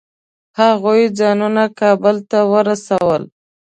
هغوی ځانونه کابل ته ورسول.